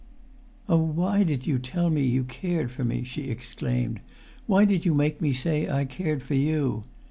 "Oh, why did you tell me you cared for me?" she exclaimed. "Why did you make me say I cared for you?